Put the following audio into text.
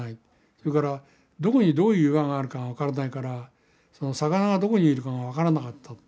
それからどこにどういう岩があるかが分からないから魚がどこにいるかが分からなかった。